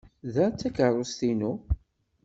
Ta d takeṛṛust-inu.